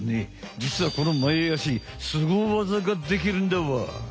じつはこの前あしスゴ技ができるんだわ！